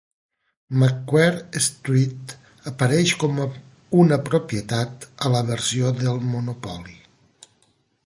Macquarie Street apareix com una propietat a la versió de Monopoly.